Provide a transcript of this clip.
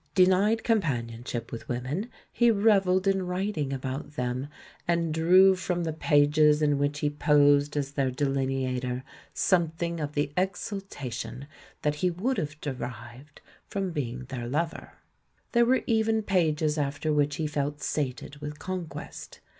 Denied companionship with women, he revelled in writing about them, and drew from the pages in which he posed as their delineator something of the exultation that he would have derived from being their lover. There were even pages after which he felt sated with conquest.